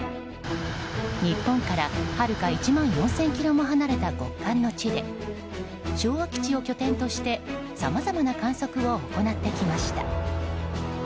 日本からはるか１万４０００ｋｍも離れた極寒の地で昭和基地を拠点としてさまざまな観測を行ってきました。